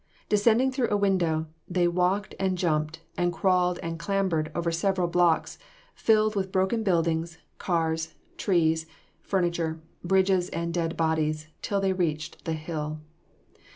Descending through a window, they walked and jumped, and crawled and clambered over several blocks, filled with broken buildings, cars, trees, furniture, bridges and dead bodies, till they reached the hill.